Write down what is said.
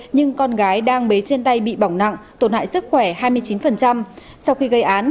nhưng con gái đang bế trên tay bị bỏng nặng tổn hại sức khỏe hai mươi chín sau khi gây án